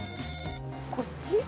こっち？